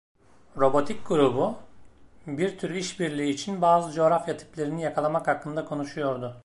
Robotik grubu, bir tür iş birliği için bazı coğrafya tiplerini yakalamak hakkında konuşuyordu.